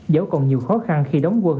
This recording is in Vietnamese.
dẫu còn nhiều khó khăn khi đóng quân